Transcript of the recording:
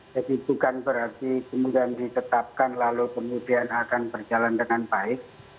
jadi itu kan berarti kemudian ditetapkan lalu kemudian akan berjalan dengan baik